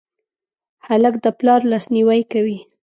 هلک د پلار لاسنیوی کوي.